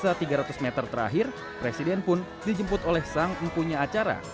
setelah berjalan cukup jauh di sisa tiga ratus meter terakhir presiden pun dijemput oleh sang empunya acara